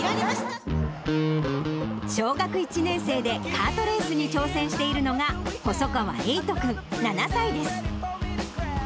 小学１年生で、カートレースに挑戦しているのが、細川瑛斗君７歳です。